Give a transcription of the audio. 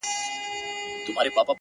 o ځم ورته را وړم ستوري په لپه كي ـ